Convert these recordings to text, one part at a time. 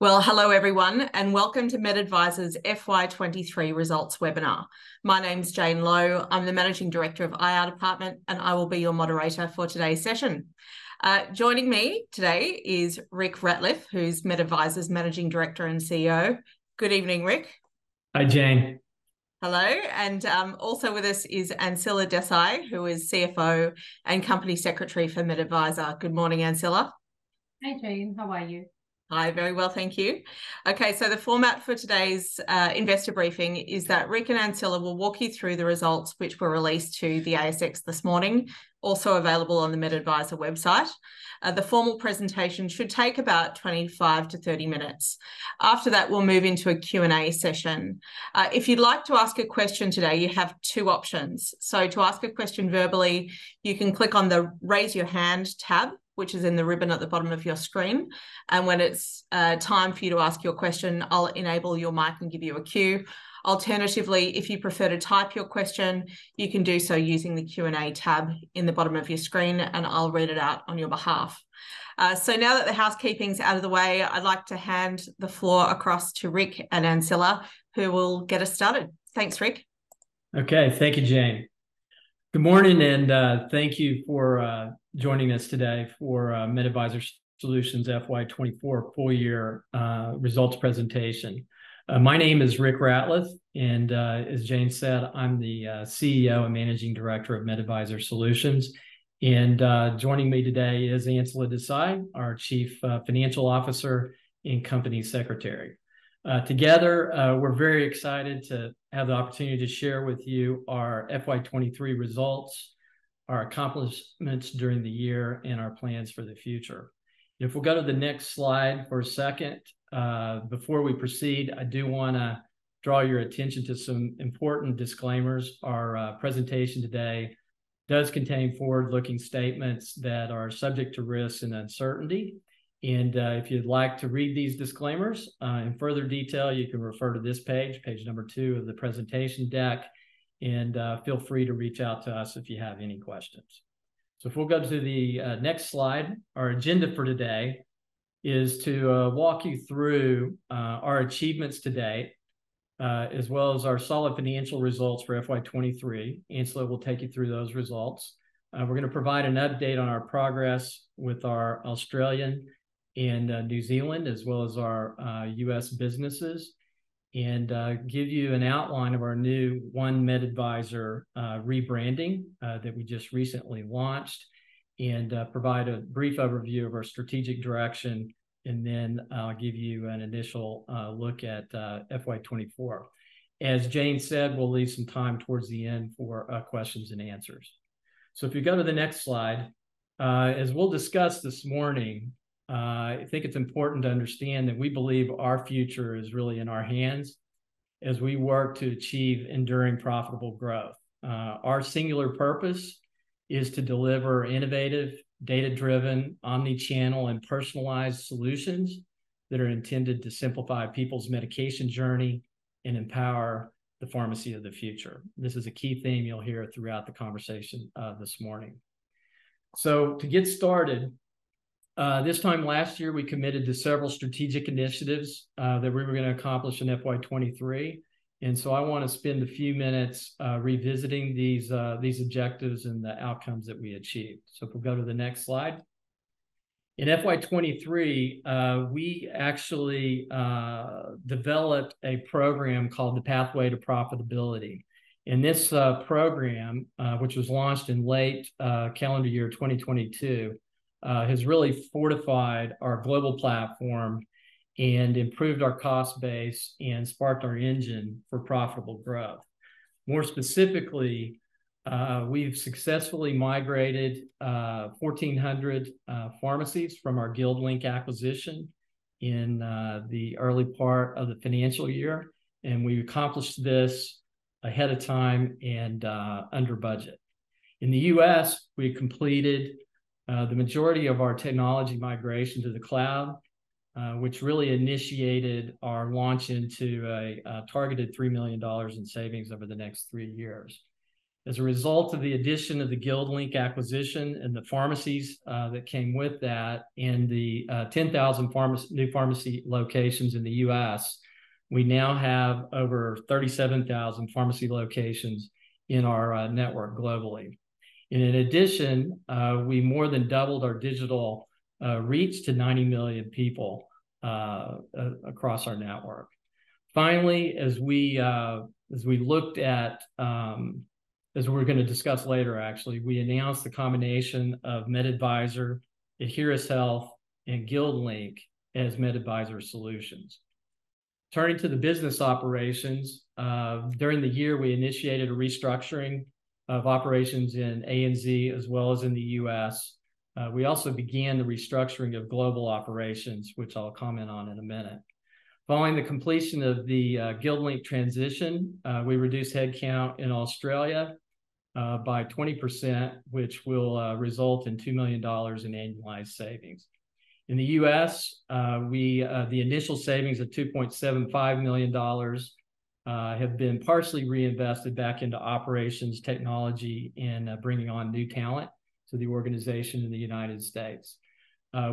Well, hello, everyone, and welcome to MedAdvisor's FY 2023 results webinar. My name's Jane Lowe. I'm the Managing Director of IR Department, and I will be your moderator for today's session. Joining me today is Rick Ratliff, who's MedAdvisor's Managing Director and CEO. Good evening, Rick. Hi, Jane. Hello, and also with us is Ancilla Desai, who is CFO and Company Secretary for MedAdvisor. Good morning, Ancilla. Hey, Jane. How are you? Hi. Very well, thank you. Okay, so the format for today's investor briefing is that Rick and Ancilla will walk you through the results, which were released to the ASX this morning, also available on the MedAdvisor website. The formal presentation should take about 25-30 minutes. After that, we'll move into a Q&A session. If you'd like to ask a question today, you have two options. So to ask a question verbally, you can click on the Raise Your Hand tab, which is in the ribbon at the bottom of your screen, and when it's time for you to ask your question, I'll enable your mic and give you a cue. Alternatively, if you prefer to type your question, you can do so using the Q&A tab in the bottom of your screen, and I'll read it out on your behalf. Now that the housekeeping's out of the way, I'd like to hand the floor across to Rick and Ancilla, who will get us started. Thanks, Rick. Okay. Thank you, Jane. Good morning, and thank you for joining us today for MedAdvisor Solutions' FY 2024 full year results presentation. My name is Rick Ratliff, and as Jane said, I'm the CEO and Managing Director of MedAdvisor Solutions. Joining me today is Ancilla Desai, our Chief Financial Officer and Company Secretary. Together, we're very excited to have the opportunity to share with you our FY 2023 results, our accomplishments during the year, and our plans for the future. If we go to the next slide for a second, before we proceed, I do wanna draw your attention to some important disclaimers. Our presentation today does contain forward-looking statements that are subject to risks and uncertainty, and if you'd like to read these disclaimers in further detail, you can refer to this page, page 2 of the presentation deck, and feel free to reach out to us if you have any questions. So if we'll go to the next slide, our agenda for today is to walk you through our achievements today as well as our solid financial results for FY 2023. Ancilla will take you through those results. We're gonna provide an update on our progress with our Australian and New Zealand, as well as our U.S. businesses, and give you an outline of our new One MedAdvisor rebranding that we just recently launched, and provide a brief overview of our strategic direction, and then I'll give you an initial look at FY 2024. As Jane said, we'll leave some time towards the end for questions and answers. So if you go to the next slide, as we'll discuss this morning, I think it's important to understand that we believe our future is really in our hands as we work to achieve enduring profitable growth. Our singular purpose is to deliver innovative, data-driven, omni-channel, and personalized solutions that are intended to simplify people's medication journey and empower the pharmacy of the future. This is a key theme you'll hear throughout the conversation this morning. So to get started, this time last year, we committed to several strategic initiatives that we were gonna accomplish in FY 2023, and so I want to spend a few minutes revisiting these these objectives and the outcomes that we achieved. So if we'll go to the next slide. In FY 2023, we actually developed a program called The Pathway to Profitability, and this program, which was launched in late calendar year 2022, has really fortified our global platform and improved our cost base and sparked our engine for profitable growth. More specifically, we've successfully migrated 1,400 pharmacies from our GuildLink acquisition in the early part of the financial year, and we accomplished this ahead of time and under budget. In the U.S., we completed the majority of our technology migration to the cloud, which really initiated our launch into a targeted $3 million in savings over the next three years. As a result of the addition of the GuildLink acquisition and the pharmacies that came with that and the 10,000 new pharmacy locations in the U.S., we now have over 37,000 pharmacy locations in our network globally. In addition, we more than doubled our digital reach to 90 million people across our network. Finally, as we're gonna discuss later, actually, we announced the combination of MedAdvisor, Adheris Health, and GuildLink as MedAdvisor Solutions. Turning to the business operations, during the year, we initiated a restructuring of operations in ANZ, as well as in the U.S. We also began the restructuring of global operations, which I'll comment on in a minute. Following the completion of the GuildLink transition, we reduced headcount in Australia by 20%, which will result in 2 million dollars in annualized savings. In the U.S., the initial savings of 2.75 million dollars have been partially reinvested back into operations technology and bringing on new talent to the organization in the United States.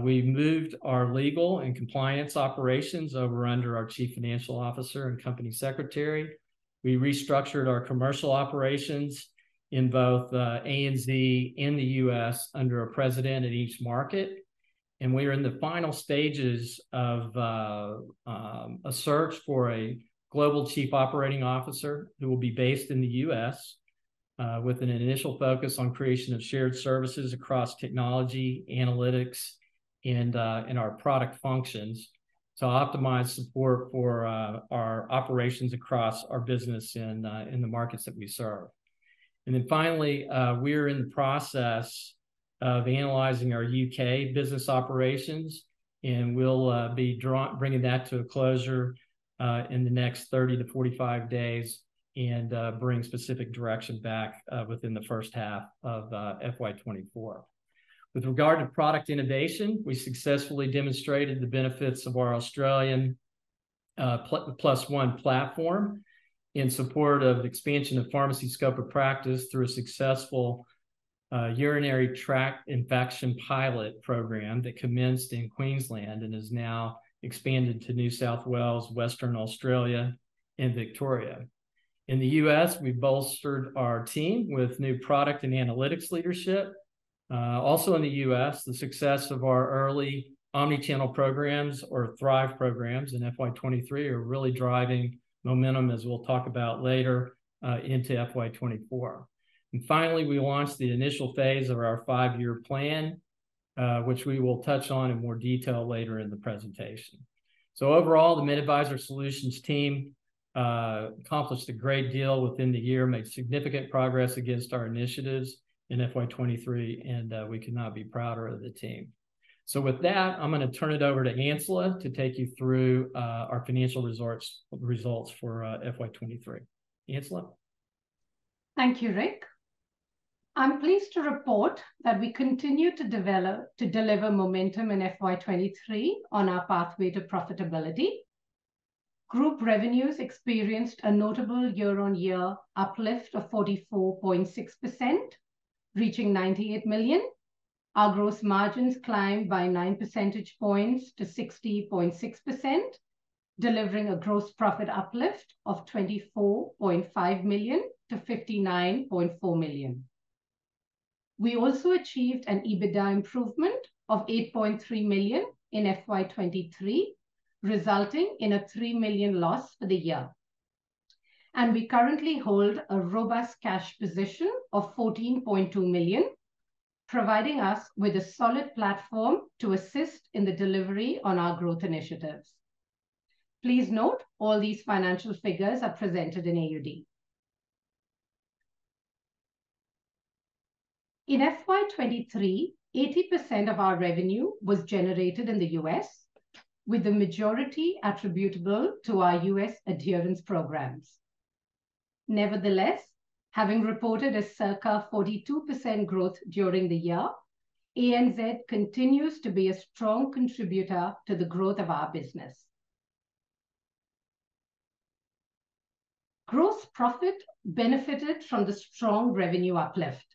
We've moved our legal and compliance operations over under our Chief Financial Officer and Company Secretary. We restructured our commercial operations in both ANZ and the U.S. under a president in each market, and we are in the final stages of a search for a global chief operating officer, who will be based in the U.S., with an initial focus on creation of shared services across technology, analytics, and in our product functions, to optimize support for our operations across our business in the markets that we serve. And then finally, we're in the process of analyzing our U.K. business operations, and we'll be bringing that to a closure in the next 30-45 days, and bring specific direction back within the H1 of FY 2024. With regard to product innovation, we successfully demonstrated the benefits of our Australian PlusOne platform in support of expansion of pharmacy scope of practice through a successful urinary tract infection pilot program that commenced in Queensland, and is now expanded to New South Wales, Western Australia, and Victoria. In the U.S., we bolstered our team with new product and analytics leadership. Also in the U.S., the success of our early omni-channel programs or Thrive programs in FY 2023 are really driving momentum, as we'll talk about later, into FY 2024. And finally, we launched the initial phase of our five-year plan, which we will touch on in more detail later in the presentation. So overall, the MedAdvisor Solutions team accomplished a great deal within the year, made significant progress against our initiatives in FY 2023, and we could not be prouder of the team. So with that, I'm gonna turn it over to Ancilla to take you through our financial results for FY 2023. Ancilla? Thank you, Rick. I'm pleased to report that we continued to deliver momentum in FY 2023 on our pathway to profitability. Group revenues experienced a notable year-on-year uplift of 44.6%, reaching 98 million. Our gross margins climbed by 9% points to 60.6%, delivering a gross profit uplift of 24.5 million to 59.4 million. We also achieved an EBITDA improvement of 8.3 million in FY 2023, resulting in a 3 million loss for the year. And we currently hold a robust cash position of 14.2 million, providing us with a solid platform to assist in the delivery on our growth initiatives. Please note, all these financial figures are presented in AUD. In FY 2023, 80% of our revenue was generated in the U.S., with the majority attributable to our U.S. adherence programs. Nevertheless, having reported a circa 42% growth during the year, ANZ continues to be a strong contributor to the growth of our business. Gross profit benefited from the strong revenue uplift,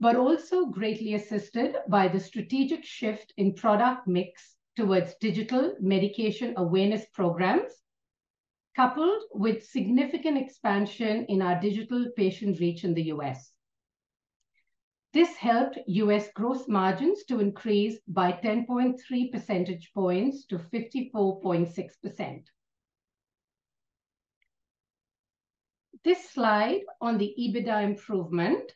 but also greatly assisted by the strategic shift in product mix towards digital medication awareness programs, coupled with significant expansion in our digital patient reach in the U.S. This helped U.S. gross margins to increase by 10.3 percentage points to 54.6%. This slide on the EBITDA improvement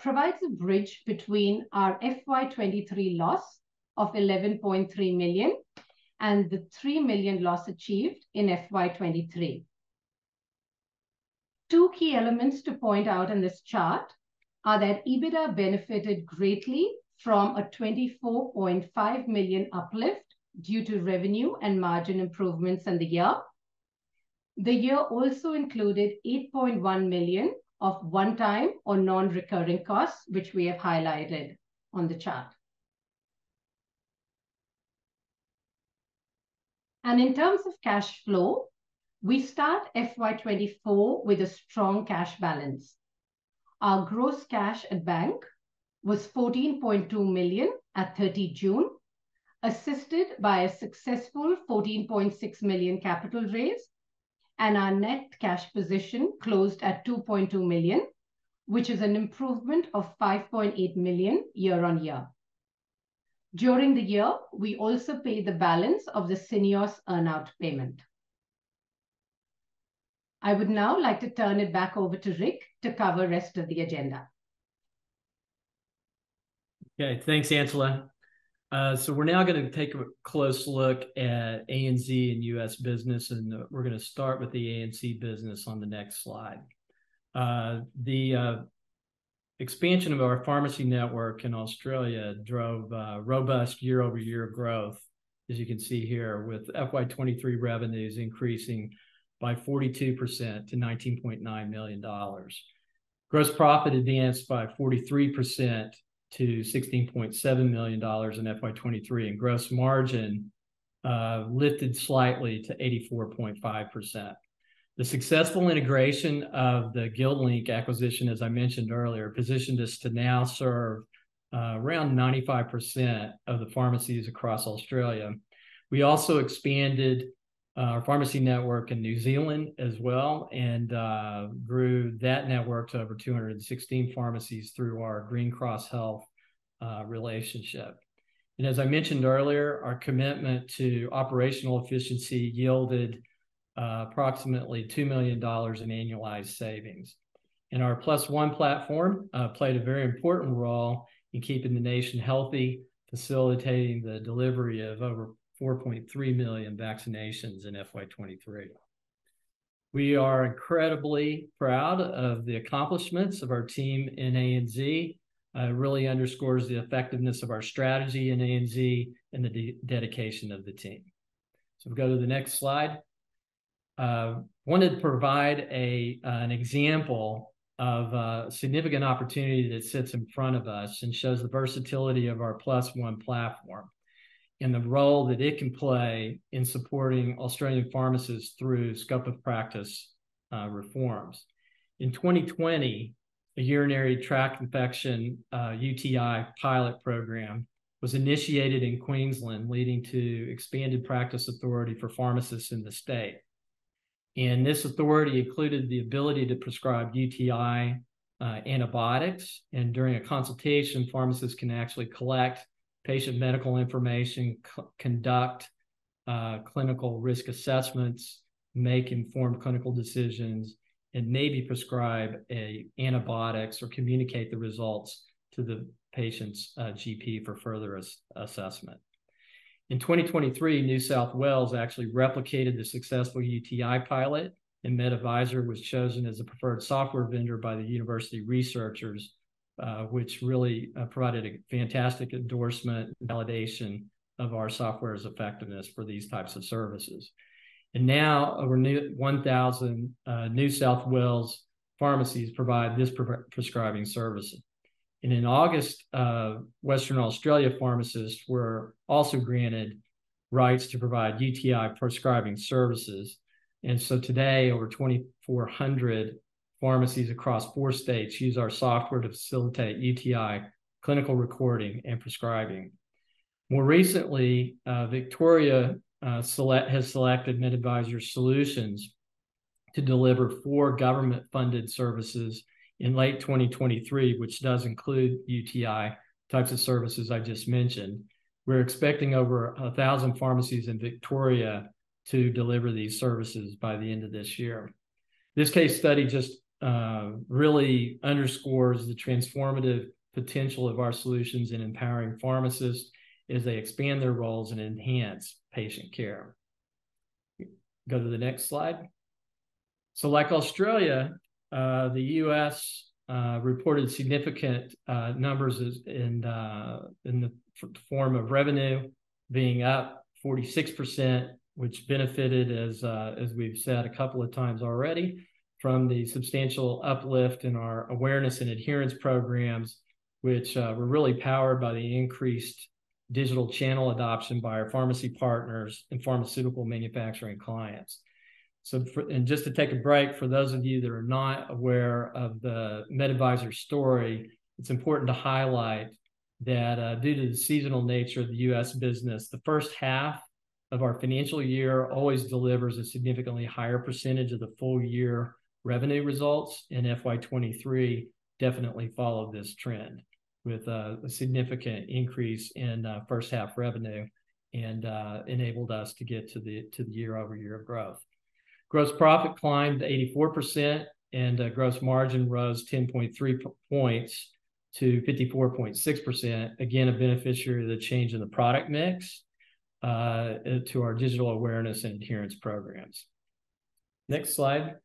provides a bridge between our FY 2023 loss of 11.3 million, and the 3 million loss achieved in FY 2023. Two key elements to point out in this chart are that EBITDA benefited greatly from a 24.5 million uplift due to revenue and margin improvements in the year. The year also included 8.1 million of one-time or non-recurring costs, which we have highlighted on the chart. In terms of cash flow, we start FY 2024 with a strong cash balance. Our gross cash at bank was 14.2 million at 30 June, assisted by a successful 14.6 million capital raise, and our net cash position closed at 2.2 million, which is an improvement of 5.8 million year-over-year. During the year, we also paid the balance of the Syneos earn-out payment. I would now like to turn it back over to Rick to cover rest of the agenda. Okay, thanks, Ancilla. So we're now gonna take a close look at ANZ and U.S. business, and we're gonna start with the ANZ business on the next slide. The expansion of our pharmacy network in Australia drove robust year-over-year growth, as you can see here, with FY 2023 revenues increasing by 42% to 19.9 million dollars. Gross profit advanced by 43% to 16.7 million dollars in FY 2023, and gross margin lifted slightly to 84.5%. The successful integration of the GuildLink acquisition, as I mentioned earlier, positioned us to now serve around 95% of the pharmacies across Australia. We also expanded our pharmacy network in New Zealand as well, and grew that network to over 216 pharmacies through our Green Cross Health relationship. As I mentioned earlier, our commitment to operational efficiency yielded approximately 2 million dollars in annualized savings. Our PlusOne platform played a very important role in keeping the nation healthy, facilitating the delivery of over 4.3 million vaccinations in FY 2023. We are incredibly proud of the accomplishments of our team in ANZ. It really underscores the effectiveness of our strategy in ANZ and the dedication of the team. Go to the next slide. Wanted to provide an example of significant opportunity that sits in front of us and shows the versatility of our PlusOne platform and the role that it can play in supporting Australian pharmacists through scope of practice reforms. In 2020, a urinary tract infection, UTI pilot program, was initiated in Queensland, leading to expanded practice authority for pharmacists in the state. This authority included the ability to prescribe UTI antibiotics. During a consultation, pharmacists can actually collect patient medical information, conduct clinical risk assessments, make informed clinical decisions, and maybe prescribe antibiotics or communicate the results to the patient's GP for further assessment. In 2023, New South Wales actually replicated the successful UTI pilot, and MedAdvisor was chosen as a preferred software vendor by the university researchers, which really provided a fantastic endorsement and validation of our software's effectiveness for these types of services. Now, over 1,000 New South Wales pharmacies provide this prescribing service. And in August, Western Australia pharmacists were also granted rights to provide UTI prescribing services. And so today, over 2,400 pharmacies across four states use our software to facilitate UTI clinical recording and prescribing. More recently, Victoria has selected MedAdvisor Solutions to deliver four government-funded services in late 2023, which does include UTI types of services I just mentioned. We're expecting over 1,000 pharmacies in Victoria to deliver these services by the end of this year. This case study just really underscores the transformative potential of our solutions in empowering pharmacists as they expand their roles and enhance patient care. Go to the next slide. So like Australia, the U.S., reported significant numbers as in, in the form of revenue being up 46%, which benefited, as, as we've said a couple of times already, from the substantial uplift in our awareness and adherence programs, which were really powered by the increased digital channel adoption by our pharmacy partners and pharmaceutical manufacturing clients. So, and just to take a break, for those of you that are not aware of the MedAdvisor story, it's important to highlight that, due to the seasonal nature of the U.S. business, the H1 of our financial year always delivers a significantly higher percentage of the full year revenue results, and FY 2023 definitely followed this trend, with a significant increase in H1 revenue and enabled us to get to the year-over-year growth. Gross profit climbed 84%, and gross margin rose 10.3 points to 54.6%. Again, a beneficiary of the change in the product mix to our digital awareness and adherence programs. Next slide.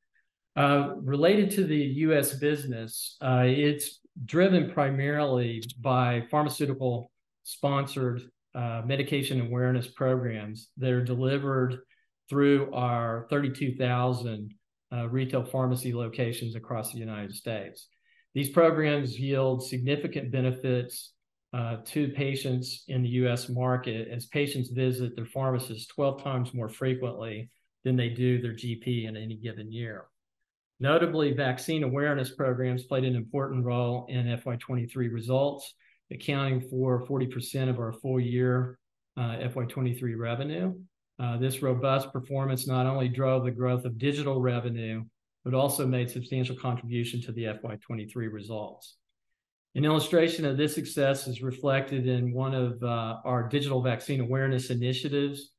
Related to the U.S. business, it's driven primarily by pharmaceutical-sponsored medication awareness programs that are delivered through our 32,000 retail pharmacy locations across the United States. These programs yield significant benefits to patients in the U.S. market, as patients visit their pharmacist 12x more frequently than they do their GP in any given year. Notably, vaccine awareness programs played an important role in FY 2023 results, accounting for 40% of our full year FY 2023 revenue. This robust performance not only drove the growth of digital revenue, but also made substantial contribution to the FY 2023 results. An illustration of this success is reflected in one of our digital vaccine awareness initiatives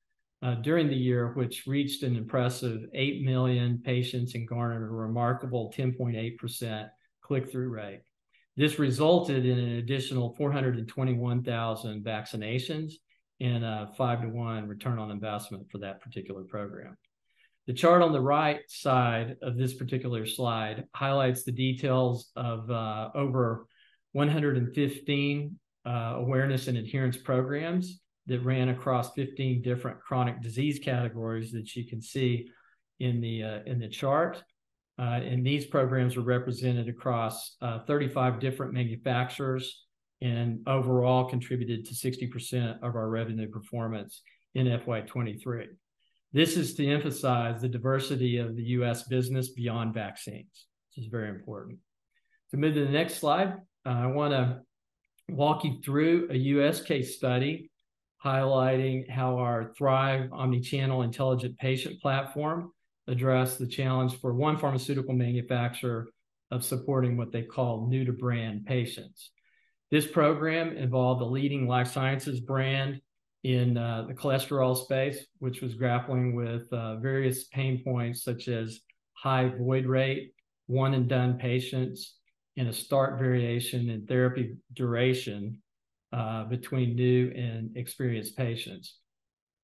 during the year, which reached an impressive 8 million patients and garnered a remarkable 10.8% click-through rate. This resulted in an additional 421,000 vaccinations and a 5:1 return on investment for that particular program. The chart on the right side of this particular slide highlights the details over 115 awareness and adherence programs that ran across 15 different chronic disease categories that you can see in the chart. And these programs were represented across 35 different manufacturers, and overall contributed to 60% of our revenue performance in FY 2023. This is to emphasize the diversity of the U.S. business beyond vaccines, which is very important. So move to the next slide. I wanna walk you through a U.S. case study highlighting how our Thrive omni-channel intelligent patient platform addressed the challenge for one pharmaceutical manufacturer of supporting what they call new-to-brand patients. This program involved a leading life sciences brand in the cholesterol space, which was grappling with various pain points, such as high void rate, one-and-done patients, and a stark variation in therapy duration between new and experienced patients.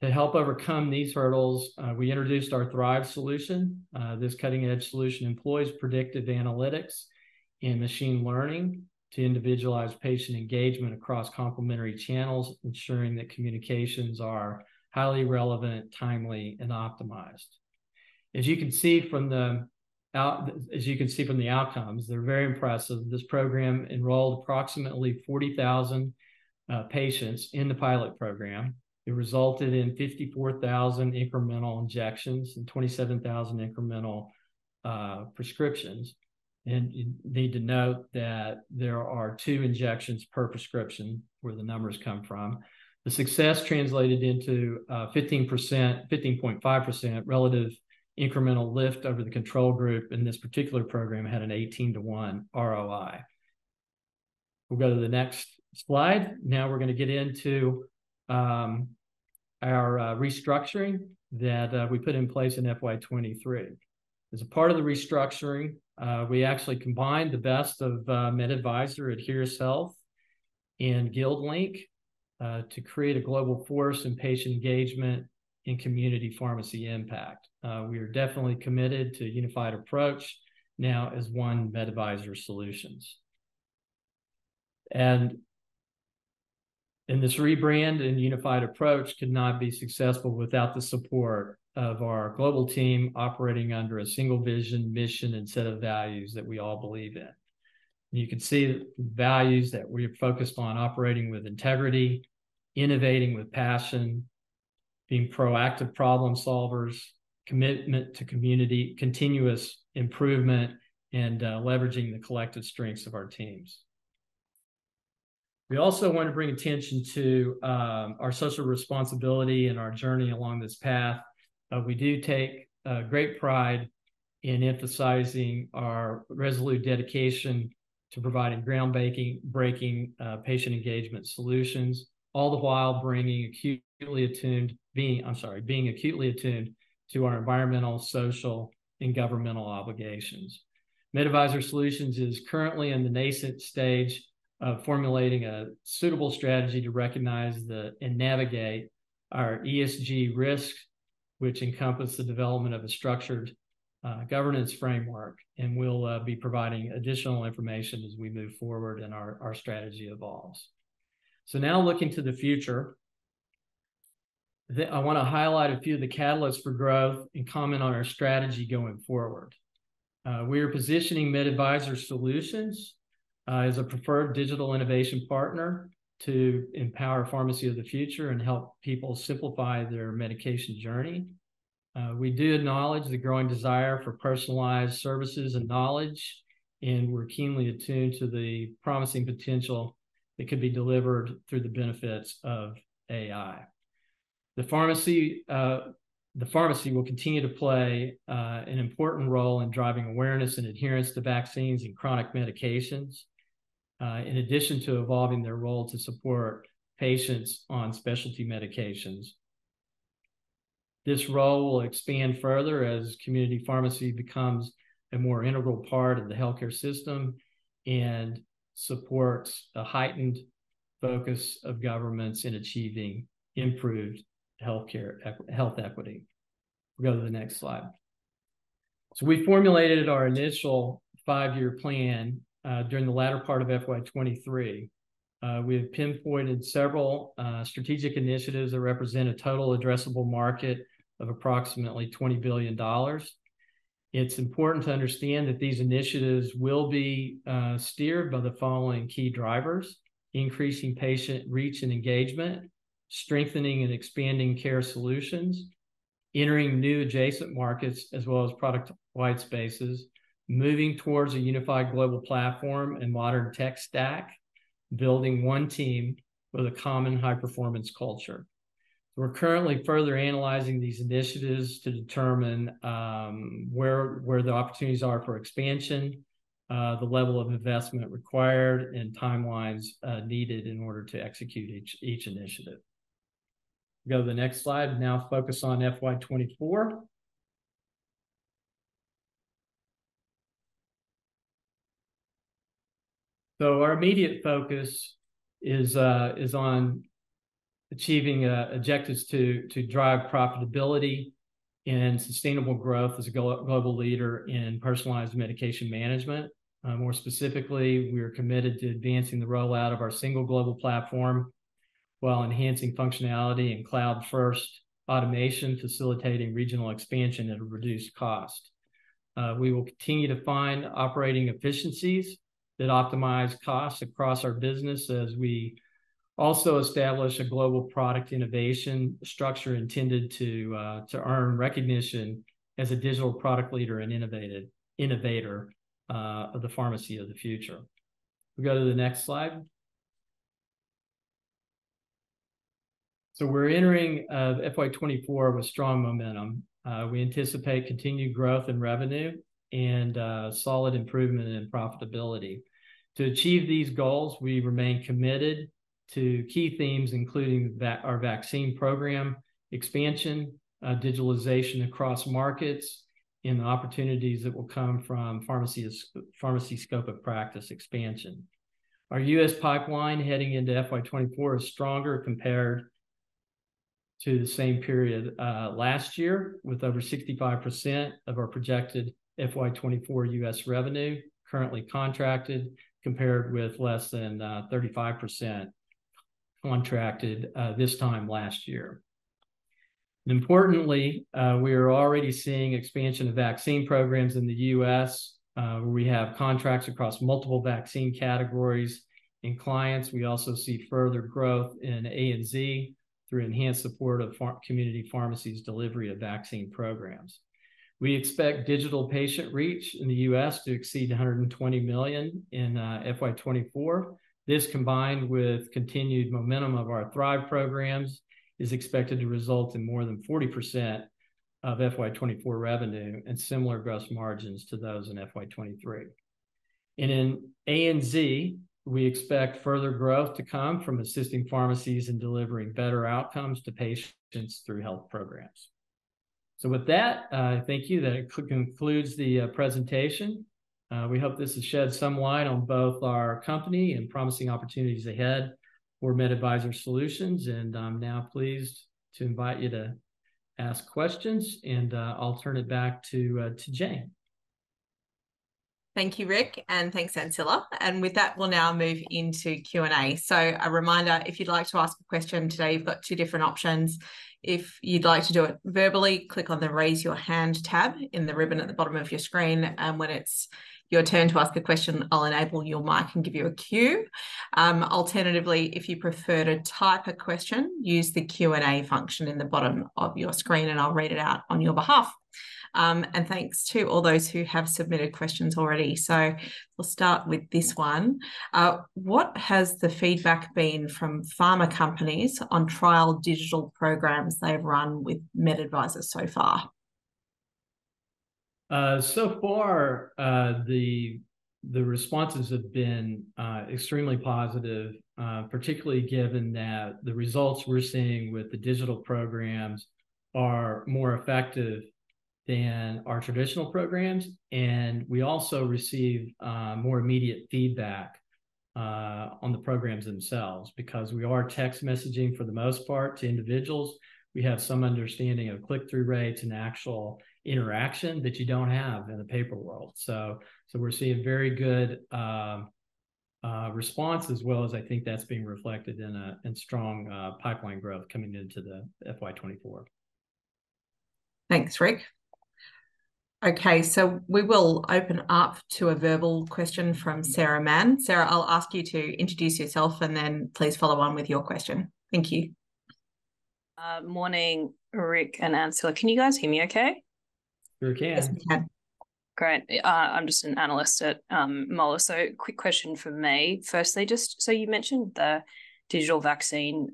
To help overcome these hurdles, we introduced our Thrive solution. This cutting-edge solution employs predictive analytics and machine learning to individualize patient engagement across complementary channels, ensuring that communications are highly relevant, timely, and optimized. As you can see from the outcomes, they're very impressive. This program enrolled approximately 40,000 patients in the pilot program. It resulted in 54,000 incremental injections and 27,000 incremental prescriptions. You need to note that there are two injections per prescription, where the numbers come from. The success translated into 15.5% relative incremental lift over the control group, and this particular program had an 18-to-one ROI. We'll go to the next slide. Now we're gonna get into our restructuring that we put in place in FY 2023. As a part of the restructuring, we actually combined the best of MedAdvisor, Adheris Health, and GuildLink to create a global force in patient engagement and community pharmacy impact. We are definitely committed to a unified approach now as one MedAdvisor Solutions. This rebrand and unified approach could not be successful without the support of our global team operating under a single vision, mission, and set of values that we all believe in. You can see the values that we're focused on operating with integrity, innovating with passion, being proactive problem solvers, commitment to community, continuous improvement, and leveraging the collective strengths of our teams. We also want to bring attention to our social responsibility and our journey along this path. We do take great pride in emphasizing our resolute dedication to providing groundbreaking patient engagement solutions, all the while being acutely attuned to our environmental, social, and governance obligations. MedAdvisor Solutions is currently in the nascent stage of formulating a suitable strategy to recognize the, and navigate our ESG risks, which encompass the development of a structured governance framework, and we'll be providing additional information as we move forward and our strategy evolves. So now looking to the future, I wanna highlight a few of the catalysts for growth and comment on our strategy going forward. We are positioning MedAdvisor Solutions as a preferred digital innovation partner to empower pharmacy of the future and help people simplify their medication journey. We do acknowledge the growing desire for personalized services and knowledge, and we're keenly attuned to the promising potential that could be delivered through the benefits of AI. The pharmacy will continue to play an important role in driving awareness and adherence to vaccines and chronic medications, in addition to evolving their role to support patients on specialty medications. This role will expand further as community pharmacy becomes a more integral part of the healthcare system and supports a heightened focus of governments in achieving improved health equity. We'll go to the next slide. We formulated our initial five-year plan during the latter part of FY 2023. We have pinpointed several strategic initiatives that represent a total addressable market of approximately $20 billion. It's important to understand that these initiatives will be steered by the following key drivers: increasing patient reach and engagement, strengthening and expanding care solutions, entering new adjacent markets as well as product white spaces, moving towards a unified global platform and modern tech stack, building one team with a common high-performance culture. We're currently further analyzing these initiatives to determine where the opportunities are for expansion, the level of investment required, and timelines needed in order to execute each initiative. Go to the next slide. Now, focus on FY 2024. Our immediate focus is achieving objectives to drive profitability and sustainable growth as a global leader in personalized medication management. More specifically, we're committed to advancing the rollout of our single global platform, while enhancing functionality and cloud-first automation, facilitating regional expansion at a reduced cost. We will continue to find operating efficiencies that optimize costs across our business, as we also establish a global product innovation structure intended to earn recognition as a digital product leader and innovative innovator of the pharmacy of the future. We go to the next slide. So we're entering FY 2024 with strong momentum. We anticipate continued growth in revenue and solid improvement in profitability. To achieve these goals, we remain committed to key themes, including our vaccine program, expansion, digitalization across markets, and the opportunities that will come from pharmacy's Scope of Practice expansion. Our U.S. pipeline heading into FY 2024 is stronger compared to the same period last year, with over 65% of our projected FY 2024 U.S. revenue currently contracted, compared with less than 35% contracted this time last year. Importantly, we are already seeing expansion of vaccine programs in the U.S., where we have contracts across multiple vaccine categories and clients. We also see further growth in ANZ through enhanced support of community pharmacies' delivery of vaccine programs. We expect digital patient reach in the U.S. to exceed 120 million in FY 2024. This, combined with continued momentum of our Thrive programs, is expected to result in more than 40% of FY 2024 revenue and similar gross margins to those in FY 2023. And in ANZ, we expect further growth to come from assisting pharmacies in delivering better outcomes to patients through health programs. So with that, thank you. That concludes the presentation. We hope this has shed some light on both our company and promising opportunities ahead for MedAdvisor Solutions. And I'm now pleased to invite you to ask questions, and I'll turn it back to Jane. Thank you, Rick, and thanks, Ancilla. And with that, we'll now move into Q&A. So a reminder, if you'd like to ask a question today, you've got two different options. If you'd like to do it verbally, click on the Raise Your Hand tab in the ribbon at the bottom of your screen, and when it's your turn to ask a question, I'll enable your mic and give you a cue. Alternatively, if you'd prefer to type a question, use the Q&A function in the bottom of your screen, and I'll read it out on your behalf. And thanks to all those who have submitted questions already. So we'll start with this one. What has the feedback been from pharma companies on trial digital programs they've run with MedAdvisor so far? So far, the responses have been extremely positive, particularly given that the results we're seeing with the digital programs are more effective than our traditional programs. We also receive more immediate feedback on the programs themselves. Because we are text messaging, for the most part, to individuals, we have some understanding of click-through rates and actual interaction that you don't have in the paper world. So we're seeing very good response, as well as I think that's being reflected in strong pipeline growth coming into the FY 2024. Thanks, Rick. Okay, so we will open up to a verbal question from Sarah Mann. Sarah, I'll ask you to introduce yourself, and then please follow on with your question. Thank you. Morning, Rick and Ancilla. Can you guys hear me okay? We can. Yes, we can. Great. I'm just an analyst at Moelis. So quick question from me. Firstly, just so you mentioned the digital vaccine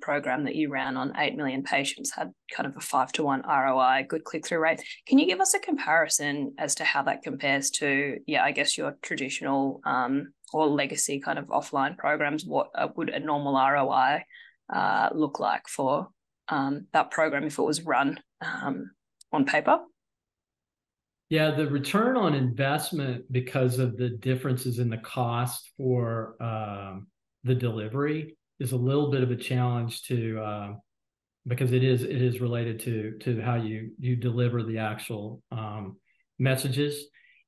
program that you ran on 8 million patients had kind of a five-to-one ROI, good click-through rate. Can you give us a comparison as to how that compares to, yeah, I guess your traditional or legacy kind of offline programs? What would a normal ROI look like for that program if it was run on paper? Yeah, the return on investment, because of the differences in the cost for the delivery, is a little bit of a change to... Because it is related to how you deliver the actual messages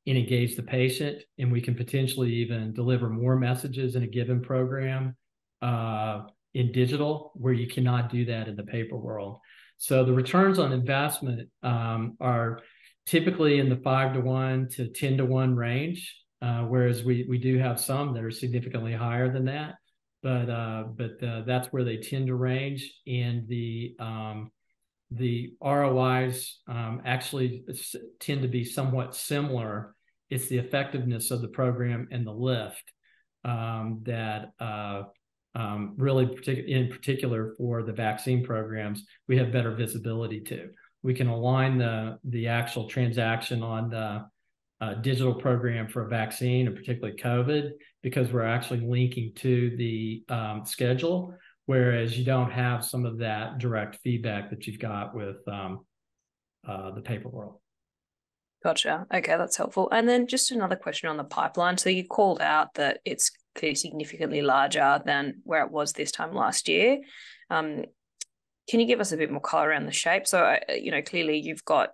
and engage the patient. And we can potentially even deliver more messages in a given program in digital, where you cannot do that in the paper world. So the returns on investment are typically in the five-to-one to 10-to-one range, whereas we do have some that are significantly higher than that. But, but that's where they tend to range. And the ROIs actually tend to be somewhat similar. It's the effectiveness of the program and the lift that really in particular for the vaccine programs, we have better visibility to. We can align the actual transaction on the digital program for a vaccine, and particularly COVID, because we're actually linking to the schedule, whereas you don't have some of that direct feedback that you've got with the paper world. Gotcha. Okay, that's helpful. And then just another question on the pipeline. So you called out that it's clearly significantly larger than where it was this time last year. Can you give us a bit more color around the shape? So, you know, clearly you've got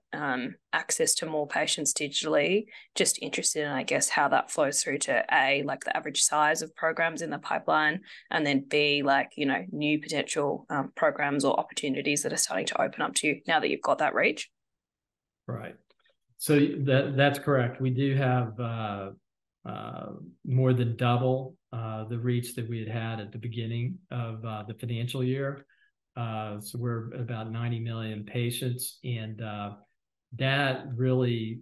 access to more patients digitally. Just interested in, I guess, how that flows through to, A, like, the average size of programs in the pipeline, and then, B, like, you know, new potential programs or opportunities that are starting to open up to you now that you've got that reach. Right. So that's correct. We do have more than double the reach that we had had at the beginning of the financial year. So we're at about 90 million patients, and that really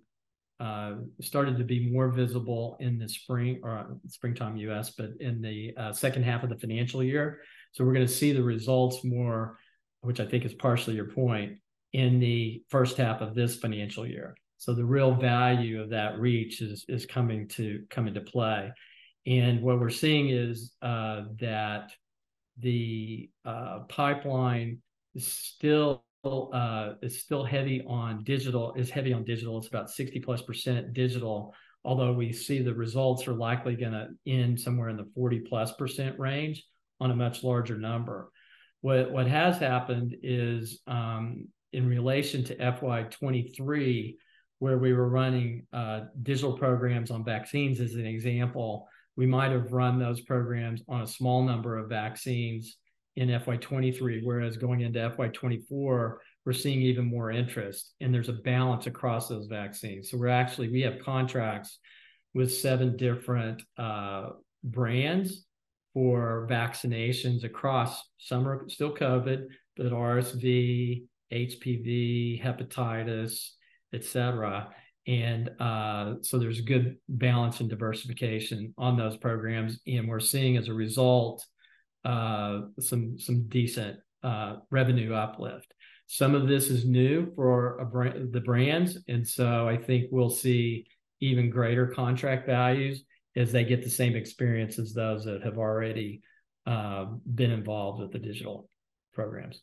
started to be more visible in the springtime U.S., but in the H2 of the financial year. So we're gonna see the results more, which I think is partially your point, in the H1 of this financial year. So the real value of that reach is coming into play. And what we're seeing is that the pipeline is still heavy on digital. It's about 60+% digital, although we see the results are likely gonna end somewhere in the 40+% range on a much larger number. What has happened is, in relation to FY 2023, where we were running digital programs on vaccines as an example, we might have run those programs on a small number of vaccines in FY 2023. Whereas going into FY 2024, we're seeing even more interest, and there's a balance across those vaccines. So we're actually, we have contracts with seven different brands for vaccinations across... Some are still COVID, but RSV, HPV, hepatitis, et cetera. And so there's a good balance and diversification on those programs, and we're seeing, as a result, some decent revenue uplift. Some of this is new for the brands, and so I think we'll see even greater contract values as they get the same experience as those that have already been involved with the digital programs.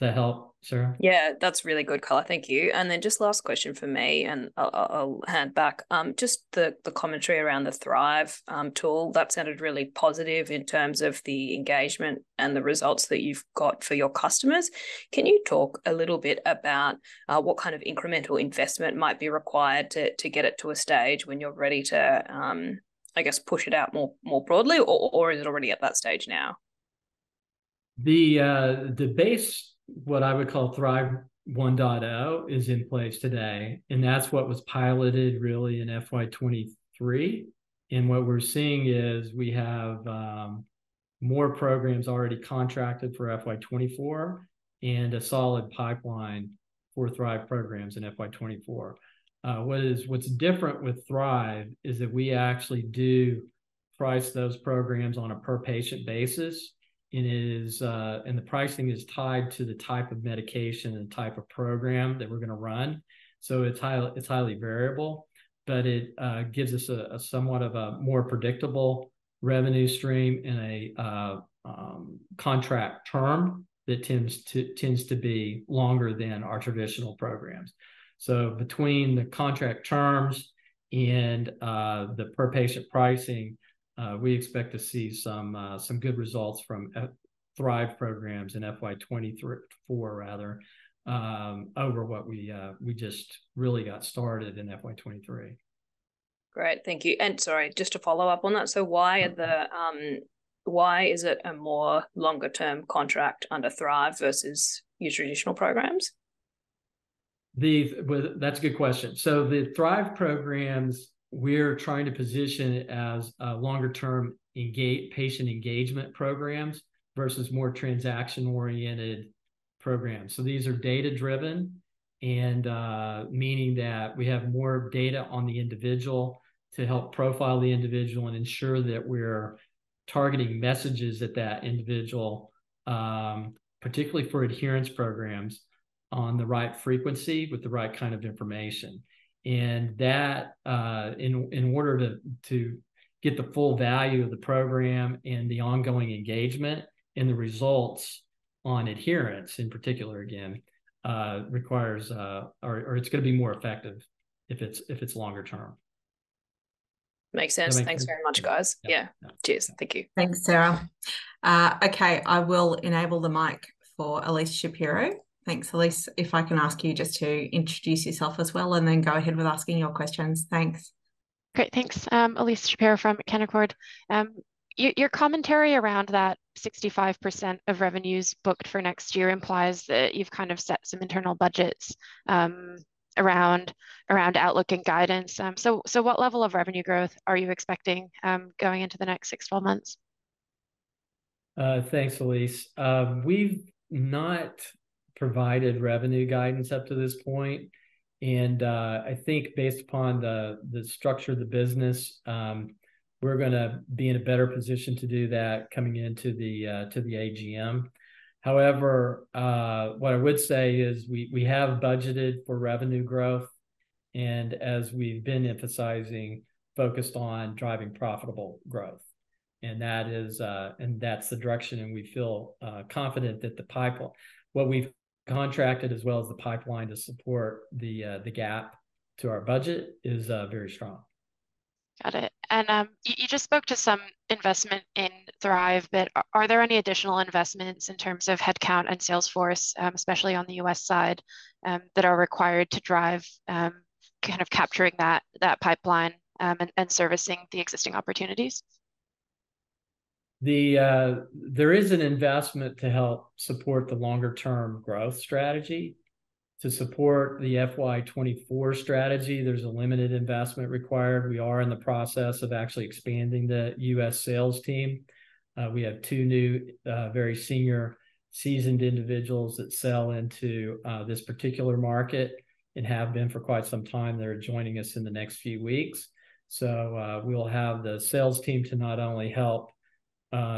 Does that help, Sarah? Yeah, that's really good color. Thank you. And then just last question from me, and I'll hand back. Just the commentary around the Thrive tool, that sounded really positive in terms of the engagement and the results that you've got for your customers. Can you talk a little bit about what kind of incremental investment might be required to get it to a stage when you're ready to I guess push it out more broadly, or is it already at that stage now? The base, what I would call Thrive 1.0, is in place today, and that's what was piloted really in FY 2023. And what we're seeing is we have more programs already contracted for FY 2024 and a solid pipeline for Thrive programs in FY 2024. What's different with Thrive is that we actually do price those programs on a per-patient basis, and it is. And the pricing is tied to the type of medication and type of program that we're gonna run. So it's highly variable, but it gives us a somewhat of a more predictable revenue stream and a contract term that tends to be longer than our traditional programs. So between the contract terms and the per-patient pricing, we expect to see some good results from Thrive programs in FY 2023-2024, rather over what we just really got started in FY 2023. Great. Thank you. And sorry, just to follow up on that: So why is it a more longer-term contract under Thrive versus your traditional programs? Well, that's a good question. So the Thrive programs, we're trying to position it as longer-term patient engagement programs versus more transaction-oriented programs. So these are data-driven, and meaning that we have more data on the individual to help profile the individual and ensure that we're targeting messages at that individual, particularly for adherence programs, on the right frequency with the right kind of information. And that, in order to get the full value of the program and the ongoing engagement, and the results on adherence in particular again, requires or it's gonna be more effective if it's longer term. Makes sense. I think- Thanks very much, guys. Yeah. Yeah. Cheers. Thank you. Thanks, Sarah. Okay, I will enable the mic for Elise Shapiro. Thanks, Elise. If I can ask you just to introduce yourself as well, and then go ahead with asking your questions. Thanks. Great. Thanks. I'm Elyse Shapiro from Canaccord Genuity. Your commentary around that 65% of revenues booked for next year implies that you've kind of set some internal budgets around outlook and guidance. So what level of revenue growth are you expecting going into the next six, 12 months? Thanks, Elise. We've not provided revenue guidance up to this point, and I think based upon the structure of the business, we're gonna be in a better position to do that coming into the to the AGM. However, what I would say is we have budgeted for revenue growth and, as we've been emphasizing, focused on driving profitable growth... And that is, and that's the direction, and we feel confident that the pipeline—what we've contracted as well as the pipeline to support the the gap to our budget is very strong. Got it. And, you just spoke to some investment in Thrive, but are there any additional investments in terms of headcount and sales force, especially on the U.S. side, that are required to drive, kind of capturing that pipeline, and servicing the existing opportunities? There is an investment to help support the longer-term growth strategy. To support the FY 2024 strategy, there's a limited investment required. We are in the process of actually expanding the U.S. sales team. We have two new, very senior, seasoned individuals that sell into this particular market and have been for quite some time. They're joining us in the next few weeks. So, we'll have the sales team to not only help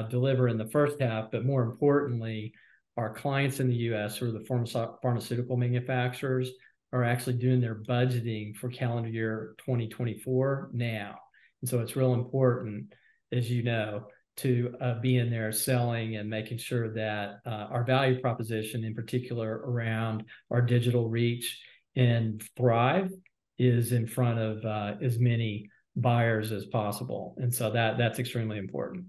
deliver in the H1, but more importantly, our clients in the U.S., who are the pharma- pharmaceutical manufacturers, are actually doing their budgeting for calendar year 2024 now. And so it's real important, as you know, to be in there selling and making sure that our value proposition, in particular around our digital reach and Thrive, is in front of as many buyers as possible, and so that's extremely important.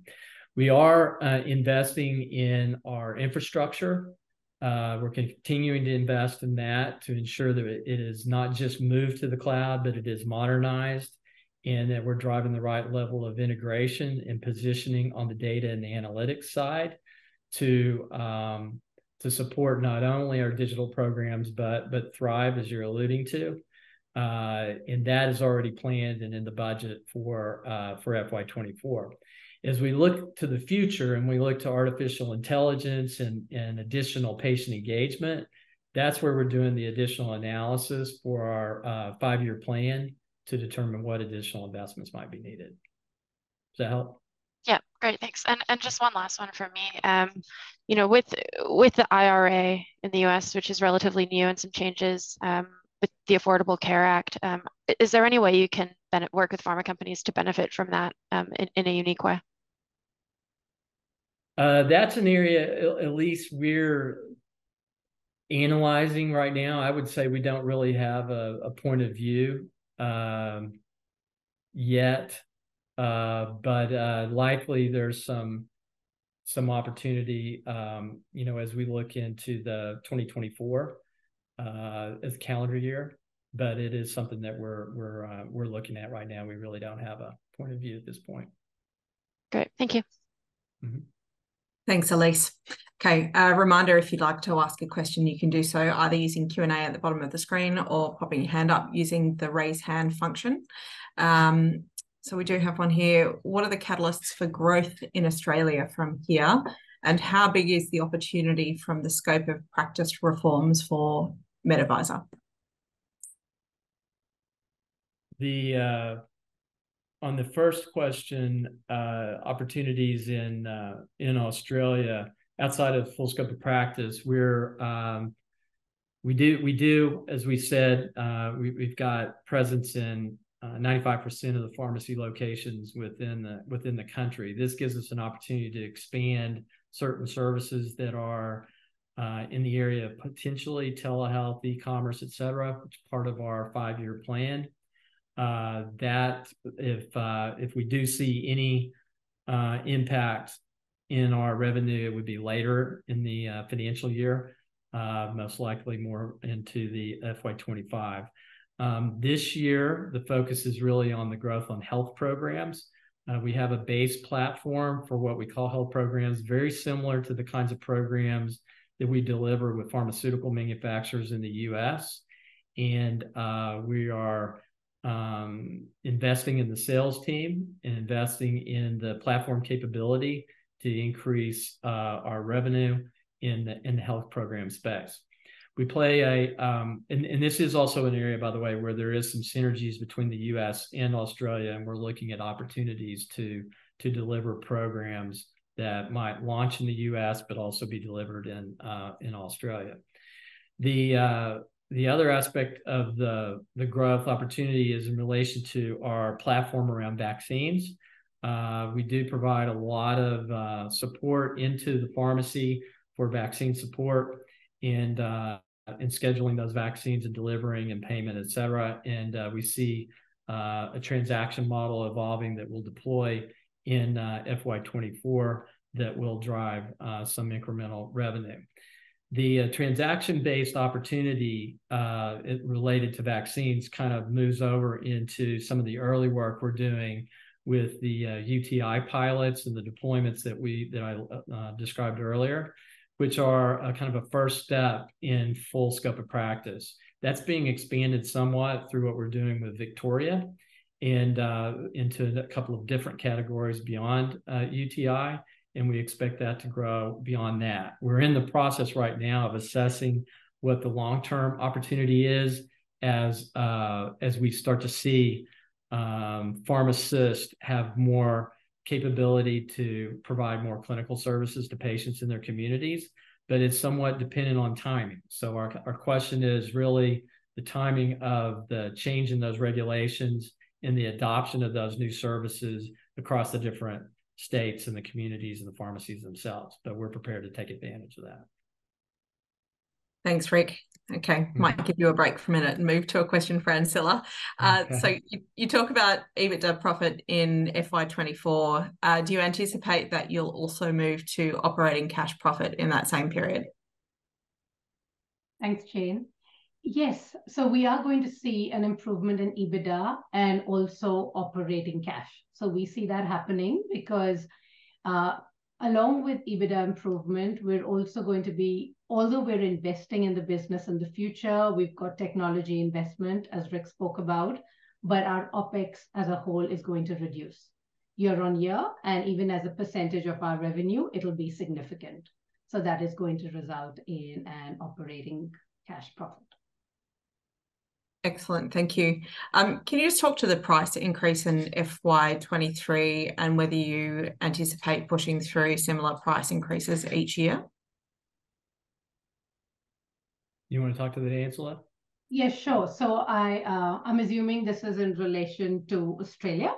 We are investing in our infrastructure. We're continuing to invest in that to ensure that it is not just moved to the cloud, but it is modernized, and that we're driving the right level of integration and positioning on the data and the analytics side to support not only our digital programs but Thrive, as you're alluding to. And that is already planned and in the budget for FY 2024. As we look to the future and we look to artificial intelligence and additional patient engagement, that's where we're doing the additional analysis for our five-year plan to determine what additional investments might be needed. Does that help? Yeah. Great, thanks. And just one last one from me. You know, with the IRA in the U.S., which is relatively new, and some changes with the Affordable Care Act, is there any way you can work with pharma companies to benefit from that, in a unique way? That's an area, Elise, we're analyzing right now. I would say we don't really have a point of view yet. But likely there's some opportunity, you know, as we look into the 2024 as calendar year. But it is something that we're looking at right now. We really don't have a point of view at this point. Great. Thank you. Mm-hmm. Thanks, Elise. Okay, a reminder, if you'd like to ask a question, you can do so either using Q&A at the bottom of the screen or popping your hand up using the Raise Hand function. So we do have one here: "What are the catalysts for growth in Australia from here, and how big is the opportunity from the scope of practice reforms for MedAdvisor? On the first question, opportunities in Australia, outside of full Scope of Practice, we're. We do, we do, as we said, we've got presence in 95% of the pharmacy locations within the country. This gives us an opportunity to expand certain services that are in the area of potentially telehealth, e-commerce, et cetera, which is part of our five-year plan. That, if we do see any impact in our revenue, it would be later in the financial year, most likely more into the FY 2025. This year, the focus is really on the growth on health programs. We have a base platform for what we call health programs, very similar to the kinds of programs that we deliver with pharmaceutical manufacturers in the U.S. We are investing in the sales team and investing in the platform capability to increase our revenue in the health program space. We play a. And this is also an area, by the way, where there is some synergies between the U.S. and Australia, and we're looking at opportunities to deliver programs that might launch in the U.S., but also be delivered in Australia. The other aspect of the growth opportunity is in relation to our platform around vaccines. We do provide a lot of support into the pharmacy for vaccine support and scheduling those vaccines and delivering and payment, et cetera. We see a transaction model evolving that we'll deploy in FY 2024, that will drive some incremental revenue. The transaction-based opportunity related to vaccines kind of moves over into some of the early work we're doing with the UTI pilots and the deployments that I described earlier, which are a kind of a first step in full Scope of Practice. That's being expanded somewhat through what we're doing with Victoria and into a couple of different categories beyond UTI, and we expect that to grow beyond that. We're in the process right now of assessing what the long-term opportunity is as we start to see pharmacists have more capability to provide more clinical services to patients in their communities, but it's somewhat dependent on timing. So our question is really the timing of the change in those regulations and the adoption of those new services across the different states and the communities and the pharmacies themselves, but we're prepared to take advantage of that.... Thanks, Rick. Okay, might give you a break for a minute and move to a question for Ancilla. Okay. So you talk about EBITDA profit in FY 2024. Do you anticipate that you'll also move to operating cash profit in that same period? Thanks, Jane. Yes, so we are going to see an improvement in EBITDA and also operating cash. So we see that happening because, along with EBITDA improvement, we're also going to, although we're investing in the business and the future, we've got technology investment, as Rick spoke about, but our OpEx, as a whole, is going to reduce year on year, and even as a percentage of our revenue, it'll be significant. So that is going to result in an operating cash profit. Excellent. Thank you. Can you just talk to the price increase in FY 2023, and whether you anticipate pushing through similar price increases each year? You wanna talk to that, Ancilla? Yeah, sure. So I, I'm assuming this is in relation to Australia.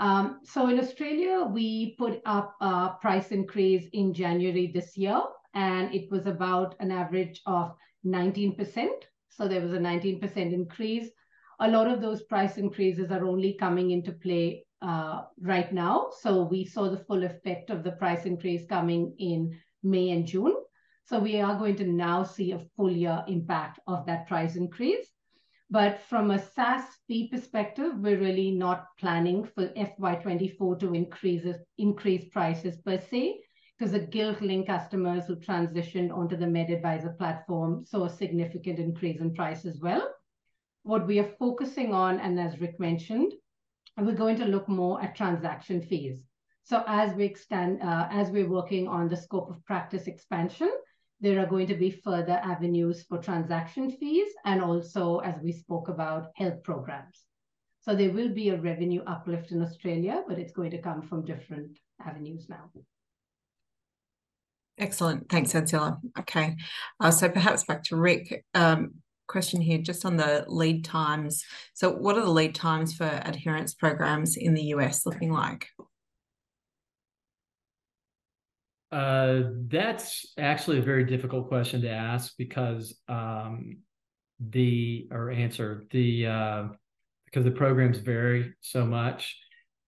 So in Australia, we put up a price increase in January this year, and it was about an average of 19%, so there was a 19% increase. A lot of those price increases are only coming into play right now. So we saw the full effect of the price increase coming in May and June. So we are going to now see a full year impact of that price increase. But from a SaaS fee perspective, we're really not planning for FY 2024 to increase it- increase prices, per se, 'cause the GuildLink customers who transitioned onto the MedAdvisor platform saw a significant increase in price as well. What we are focusing on, and as Rick mentioned, we're going to look more at transaction fees. So as we extend... As we're working on the Scope of Practice expansion, there are going to be further avenues for transaction fees and also, as we spoke about, health programs. So there will be a revenue uplift in Australia, but it's going to come from different avenues now. Excellent. Thanks, Ancilla. Okay, so perhaps back to Rick. Question here, just on the lead times. So what are the lead times for adherence programs in the U.S. looking like? That's actually a very difficult question to ask or answer because the programs vary so much.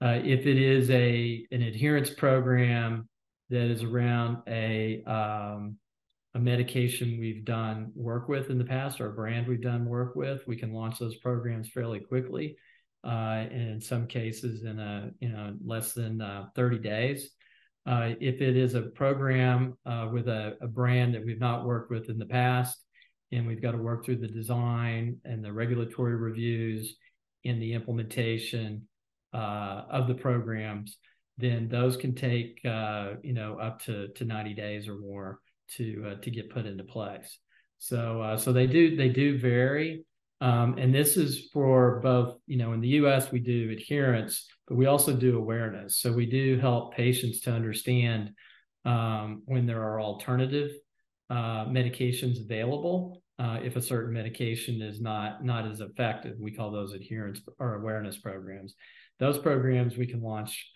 If it is an adherence program that is around a medication we've done work with in the past or a brand we've done work with, we can launch those programs fairly quickly, and in some cases, in less than 30 days. If it is a program with a brand that we've not worked with in the past, and we've got to work through the design and the regulatory reviews and the implementation of the programs, then those can take, you know, up to 90 days or more to get put into place. So, they do vary. And this is for both... You know, in the U.S., we do adherence, but we also do awareness. So we do help patients to understand when there are alternative medications available if a certain medication is not as effective. We call those adherence or awareness programs. Those programs we can launch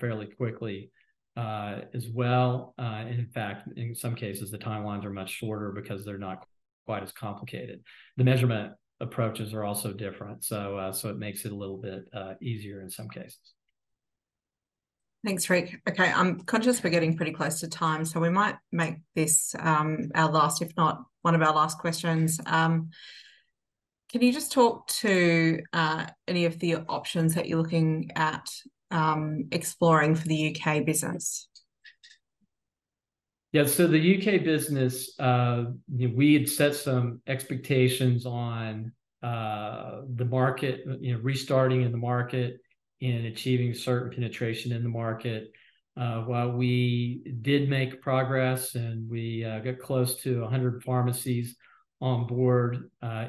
fairly quickly as well. In fact, in some cases, the timelines are much shorter because they're not quite as complicated. The measurement approaches are also different, so so it makes it a little bit easier in some cases. Thanks, Rick. Okay, I'm conscious we're getting pretty close to time, so we might make this our last, if not one of our last, questions. Can you just talk to any of the options that you're looking at exploring for the U.K. business? Yeah, so the UK business, we had set some expectations on, the market, you know, restarting in the market and achieving certain penetration in the market. While we did make progress, and we got close to 100 pharmacies on board,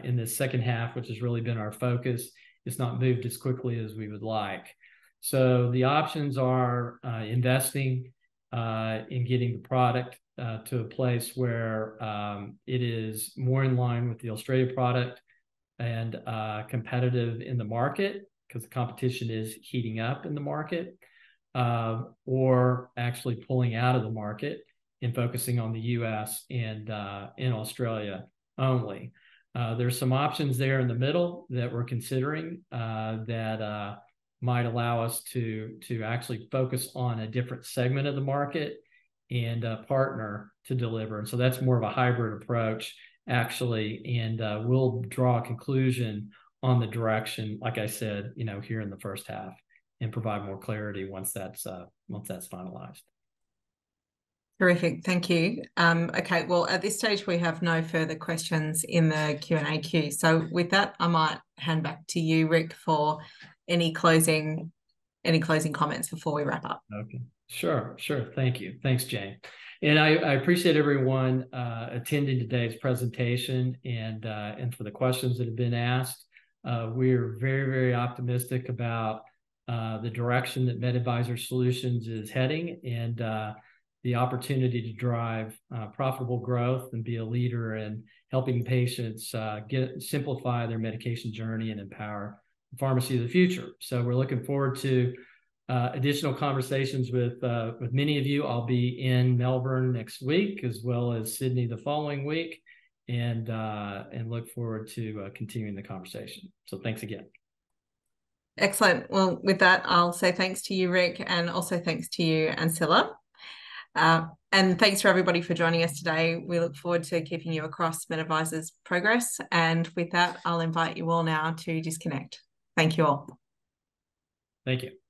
in the H2, which has really been our focus, it's not moved as quickly as we would like. So the options are, investing in getting the product to a place where it is more in line with the Australia product and competitive in the market, 'cause the competition is heating up in the market, or actually pulling out of the market and focusing on the US and in Australia only. There are some options there in the middle that we're considering that might allow us to actually focus on a different segment of the market and a partner to deliver. And so that's more of a hybrid approach, actually, and we'll draw a conclusion on the direction, like I said, you know, here in the H1 and provide more clarity once that's finalized. Terrific. Thank you. Okay, well, at this stage, we have no further questions in the Q&A queue. So with that, I might hand back to you, Rick, for any closing, any closing comments before we wrap up. Okay. Sure, sure. Thank you. Thanks, Jane. I, I appreciate everyone attending today's presentation and for the questions that have been asked. We're very, very optimistic about the direction that MedAdvisor Solutions is heading and the opportunity to drive profitable growth and be a leader in helping patients get simplify their medication journey and empower the pharmacy of the future. So we're looking forward to additional conversations with with many of you. I'll be in Melbourne next week, as well as Sydney the following week, and and look forward to continuing the conversation. So thanks again. Excellent. Well, with that, I'll say thanks to you, Rick, and also thanks to you, Ancilla. And thanks for everybody for joining us today. We look forward to keeping you across MedAdvisor's progress, and with that, I'll invite you all now to disconnect. Thank you all. Thank you.